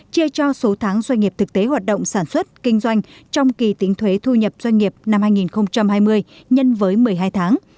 chia cho số tháng doanh nghiệp thực tế hoạt động sản xuất kinh doanh trong kỳ tính thuế thu nhập doanh nghiệp năm hai nghìn hai mươi nhân với một mươi hai tháng